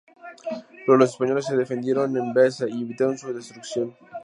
Pero los españoles se defendieron en Baeza y evitaron su destrucción.